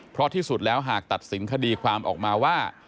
เพราะที่สุดแล้วหากตัดสินคดีความออกมาว่า